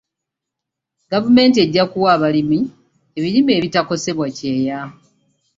Gvaumenti ejja kuwa abalimi ebirime ebitakosebwa kyeeya.